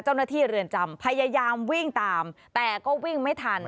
เจ้าหน้าที่เรียนจำพยายามวิ่งตามแต่ก็วิ่งไม่ทัน